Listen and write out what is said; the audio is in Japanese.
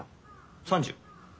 ３０。